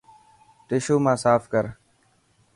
ششو مان ساف ڪر.